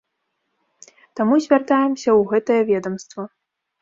Таму звяртаемся ў гэтае ведамства.